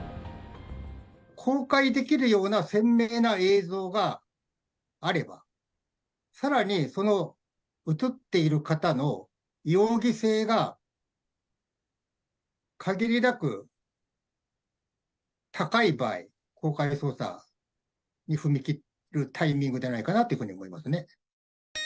公開できるような鮮明な映像があれば、さらにその写っている方の容疑性が、かぎりなく高い場合、公開捜査に踏み切るタイミングじゃないかなと思いますね。